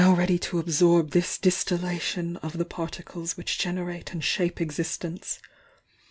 ^^^'y ^ absorb this distilla tion of the particles which generate and shane ex istence.